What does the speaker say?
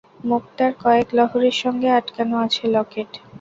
মুক্তার কয়েক লহরির সঙ্গে আটকানো আছে লকেট।